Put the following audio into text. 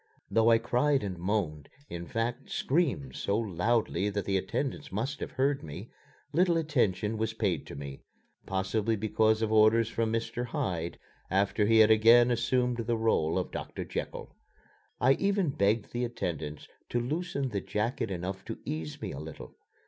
Though I cried and moaned, in fact, screamed so loudly that the attendants must have heard me, little attention was paid to me possibly because of orders from Mr. Hyde after he had again assumed the role of Doctor Jekyll. I even begged the attendants to loosen the jacket enough to ease me a little.